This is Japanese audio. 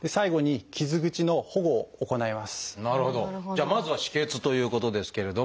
じゃあまずは「止血」ということですけれども。